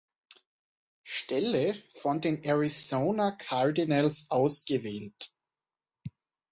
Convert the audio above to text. Stelle von den Arizona Cardinals ausgewählt.